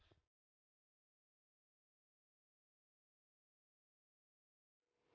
bagaimana kita bisa membuatnya